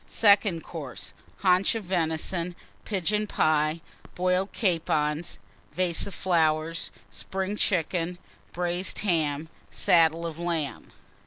Second Course. Haunch of Venison. Pigeon Pie. Boiled Capons. Vase of Spring Chickens. Flowers. Braised Ham. Saddle of Lamb.